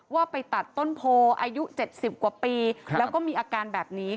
ว่าไปตัดต้นโพอายุ๗๐กว่าปีแล้วก็มีอาการแบบนี้